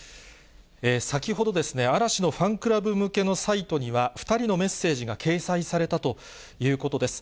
先ほどですね、嵐のファンクラブ向けのサイトには、２人のメッセージが掲載されたということです。